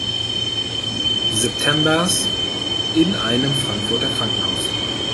Septembers in einem Frankfurter Krankenhaus.